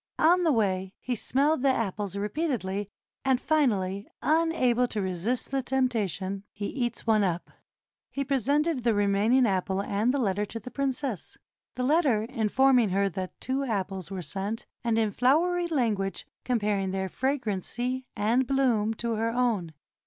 On the way he smelled the apples repeatedly, and finally, unable to resist the temptation, he eats one up. He presented the remaining apple and the letter to the princess, the let ter informing her that two apples were sent, and in flow ery language comparing their fragrancy and bloom to her own.